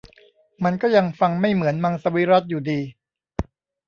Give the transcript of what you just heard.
มันก็ยังฟังไม่เหมือนมังสวิรัติอยู่ดี